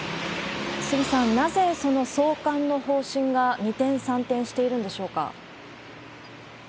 杉さん、なぜその送還の方針が二転三転しているんでしょうか？